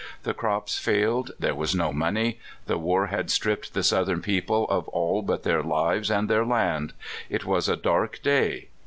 The crops failed, there was no money, the war had stripped the Southern people of all but their lives and their land. It was a dark day.